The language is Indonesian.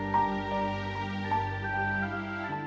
siapa viar ini diturunkan